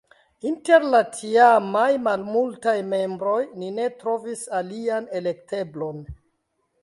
Inter la tiamaj malmultaj membroj mi ne trovis alian elekteblon.